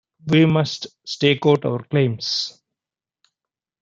We must stake out our claims.